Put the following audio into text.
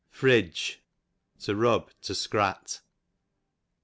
Fridge, to rub, to scrat.